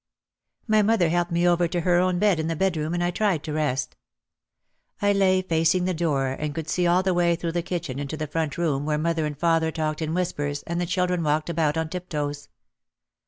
My mother helped me over to her own bed in the bed room and I tried to rest. I lay facing the door and could see all the way through the kitchen into the front room where mother and father talked in whispers and the children walked about on tiptoes.